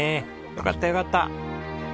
よかったよかった。